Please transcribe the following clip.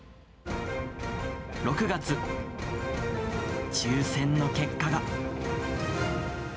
６月、抽せんの結果が。